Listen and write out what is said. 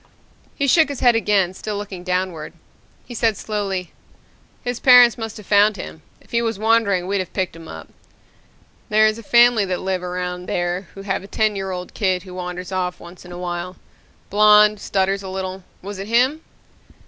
He shook his head again, still looking downward. He said slowly, "His parents must have found him. If he was wandering we'd have picked him up. There is a family that live around there who have a ten year old kid who wanders off once in a while. Blond, stutters a little. Was it him?"